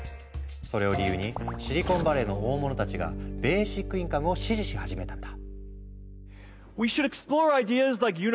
それを理由にシリコンバレーの大物たちがベーシックインカムを支持し始めたんだ。